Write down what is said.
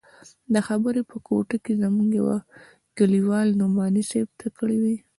دا خبرې په کوټه کښې زموږ يوه کليوال نعماني صاحب ته کړې وې.